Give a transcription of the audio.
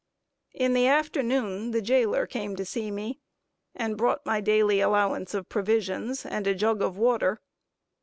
In the afternoon, the jailer came to see me, and brought my daily allowance of provisions, and a jug of water.